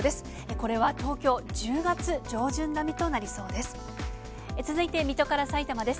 これは東京、１０月上旬並みとなりそうです。